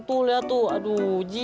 tuh liat tuh aduh jijik ah